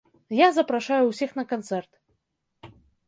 Я запрашаю ўсіх на канцэрт.